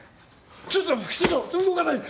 ちょっと副署長動かないで！